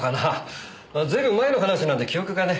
随分前の話なんで記憶がね。